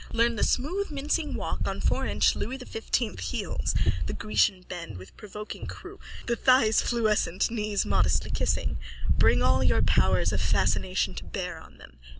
Learn the smooth mincing walk on four inch Louis Quinze heels, the Grecian bend with provoking croup, the thighs fluescent, knees modestly kissing. Bring all your powers of fascination to bear on them.